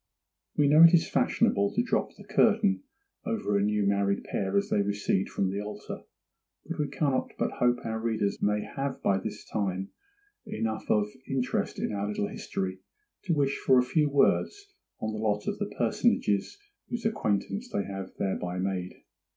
WE know it is fashionable to drop the curtain over a new married pair as they recede from the altar, but we cannot but hope our readers may have by this time enough of interest in our little history to wish for a few words on the lot of the personages whose acquaintance they have thereby made.